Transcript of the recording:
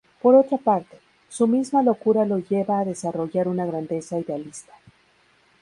Por otra parte, su misma locura lo lleva a desarrollar una grandeza idealista.